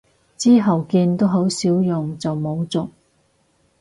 之後見都好少用就冇續